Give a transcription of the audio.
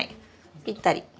ぴったり。